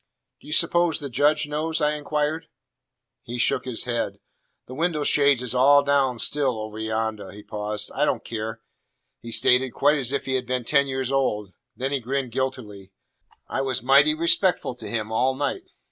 "Do you suppose the Judge knows?" I inquired. He shook his head. "The windo' shades is all down still oveh yondeh." He paused. "I don't care," he stated, quite as if he had been ten years old. Then he grinned guiltily. "I was mighty respectful to him all night."